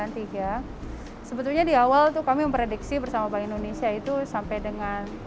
yang tirususedian tiga sebetulnya diawal espanyol prediksi bersama bank indonesia itu sampai dengan